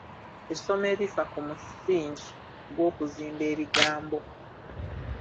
Essomo erifa ku musingi gw'okuzimba ebigambo.